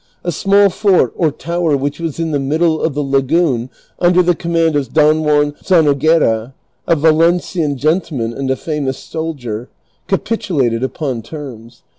A small fort or tower which was in the middle of the lagoon under the command of Don Juan Zanoguera, a Valencian gentleman and a famous soldicn , ca pitulated upon terms.